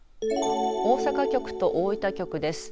大阪局と大分局です。